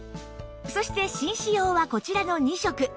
そして紳士用はこちらの２色